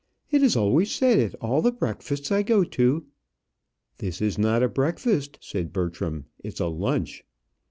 "It is always said at all the breakfasts I go to " "This is not a breakfast," said Bertram, "it's a lunch."